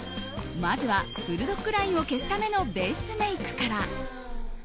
まずは、ブルドッグラインを消すためのベースメイクから。